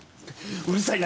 うるさいな。